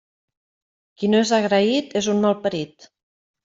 Qui no és agraït, és un malparit.